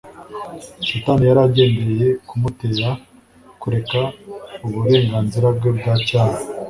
Satani yari agendereye kumutera kureka uburenganzira bwe bwa cyami,